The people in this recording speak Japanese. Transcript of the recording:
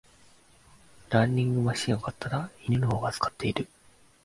ランニングマシン買ったら犬の方が使ってる